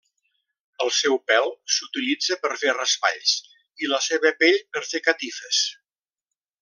El seu pèl s'utilitza per fer raspalls, i la seva pell per fer catifes.